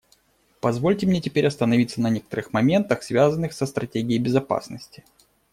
Позвольте мне теперь остановиться на некоторых моментах, связанных со стратегией безопасности.